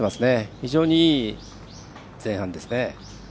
非常にいい前半ですね。